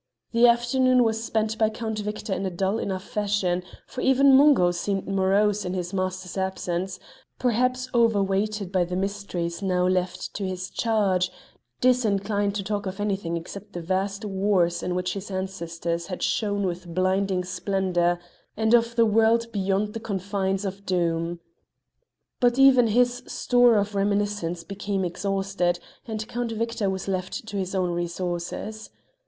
The afternoon was spent by Count Victor in a dull enough fashion, for even Mungo seemed morose in his master's absence, perhaps overweighted by the mysteries now left to his charge, disinclined to talk of anything except the vast wars in which his ancestors had shone with blinding splendour, and of the world beyond the confines of Doom. But even his store of reminiscence became exhausted, and Count Victor was left to his own resources.